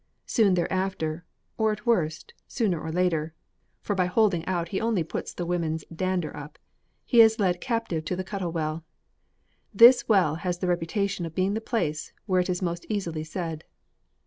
Soon thereafter, or at worst, sooner or later (for by holding out he only puts the women's dander up), he is led captive to the Cuttle Well. This well has the reputation of being the place where it is most easily said.